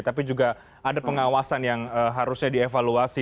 tapi juga ada pengawasan yang harusnya dievaluasi